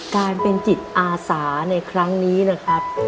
การเป็นจิตอาสาในครั้งนี้นะครับ